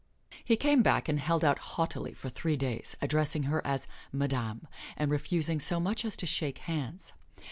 He came back and held out haughtily for three days, addressing her as "Madame," and refusing so much as to shake hands.